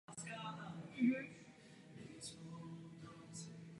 Některé styly se také tančí pouze při určitých příležitostech.